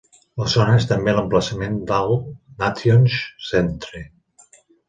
La zona és també l'emplaçament de l'All Nations Centre.